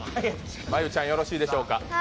真悠ちゃんよろしいでしょうか。